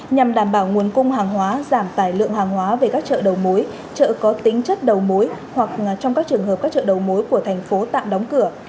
nhằm đảm bảo nguồn cung hàng hóa giảm tải lượng hàng hóa về các chợ đầu mối chợ có tính chất đầu mối hoặc trong các trường hợp các chợ đầu mối của thành phố tạm đóng cửa